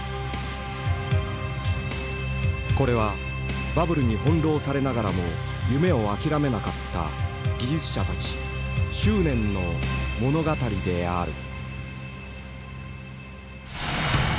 これはバブルに翻弄されながらも夢を諦めなかった技術者たち執念の物語である。